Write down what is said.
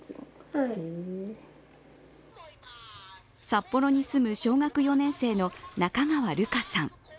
札幌に住む小学４年生の中川瑠歌さん。